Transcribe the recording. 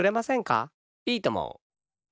いいとも！